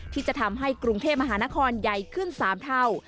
ที่จะทำให้กรุงเทพมหานครใหญ่ขึ้น๓เท่า